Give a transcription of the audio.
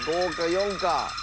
「４」か？